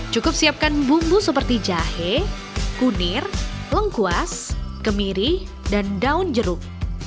cukup siapkan bumbu seperti jahe kunir lengkuas kemiri dan daun jeruk